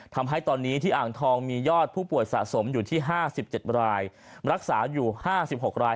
ทำให้ตอนนี้ที่อ่างทองมียอดผู้ป่วยสะสมอยู่ที่๕๗รายรักษาอยู่๕๖ราย